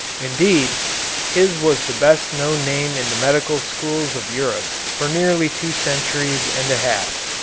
Indeed, his was the best known name in the medical schools of Europe for nearly two centuries and a half.